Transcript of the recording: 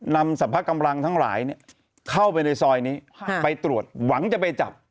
นำสรรพกำลังทั้งหลายเข้าไปในซอยนี้ไปตรวจหวังจะไปจับ